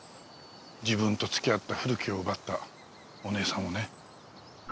自分と付き合った古木を奪ったお姉さんをね。